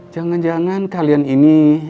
jangan jangan kalian ini